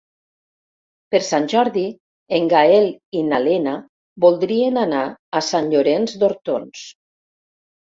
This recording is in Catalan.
Per Sant Jordi en Gaël i na Lena voldrien anar a Sant Llorenç d'Hortons.